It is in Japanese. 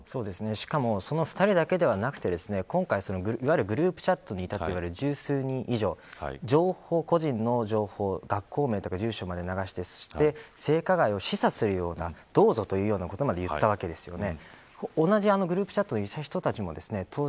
しかもその２人だけではなくて今回、グループチャットにいた十数人以上個人の情報が学校名とか住所まで流してそして、性加害を示唆するようなどうぞ、というようなことまで言ってたわけですよね。